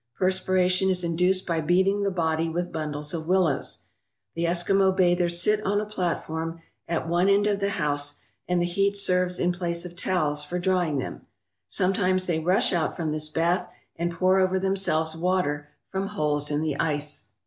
Perspiration is induced by beating the body with bundles of willows. The Es kimo bathers sit on a platform at one end of the house, and the heat serves in place of towels for drying them. Sometimes they rush out from this bath and pour over themselves water from holes in the ice.